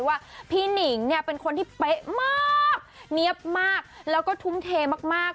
ว่าพี่หนิงเนี่ยเป็นคนที่เป๊ะมากเนี๊ยบมากแล้วก็ทุ่มเทมาก